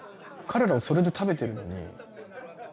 彼らはそれで食べてるのに。